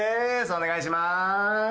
お願いします。